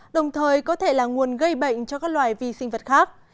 đồng thời có thể là nguồn gây bệnh cho các loài vi sinh vật khác